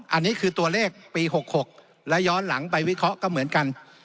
อันนี้คือตัวเลขปี๖๖และย้อนหลังไปวิเคราะห์ก็เหมือนกัน